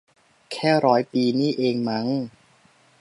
แค่ร้อยปีนี่เองมั้ง